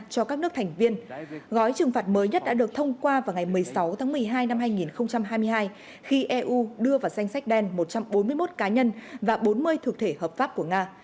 các nước thành viên mới nhất đã được thông qua vào ngày một mươi sáu tháng một mươi hai năm hai nghìn hai mươi hai khi eu đưa vào danh sách đen một trăm bốn mươi một cá nhân và bốn mươi thuộc thể hợp pháp của nga